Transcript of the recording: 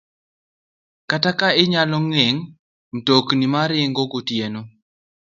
Kata ka inyalo geng' mtokni ma ringo gotieno